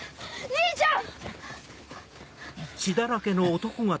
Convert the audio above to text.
兄ちゃん！